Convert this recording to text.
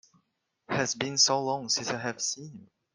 It has been so long since I have seen you!